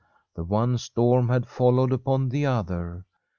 The one storm had followed upon the other.